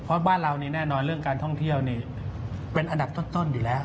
เพราะบ้านเรานี่แน่นอนเรื่องการท่องเที่ยวนี่เป็นอันดับต้นอยู่แล้ว